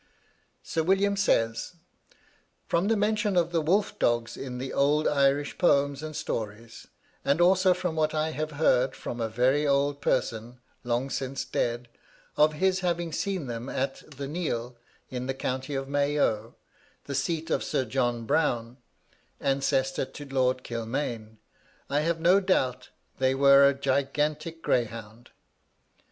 Sir William says, 'From the mention of the wolf dogs in the old Irish poems and stories, and also from what I have heard from a very old person, long since dead, of his having seen them at 'The Neale,' in the county of Mayo, the seat of Sir John Browne, ancestor to Lord Kilmaine, I have no doubt they were a gigantic greyhound.